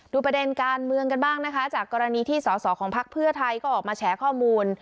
ประเด็นการเมืองกันบ้างนะคะจากกรณีที่สอสอของพักเพื่อไทยก็ออกมาแฉข้อมูล